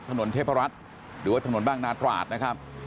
ถนนเทพรัฐหรือว่าถนนบางนาตราดนะครับ